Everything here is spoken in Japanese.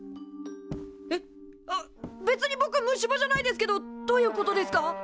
えっ別にぼく虫歯じゃないですけどどういうことですか？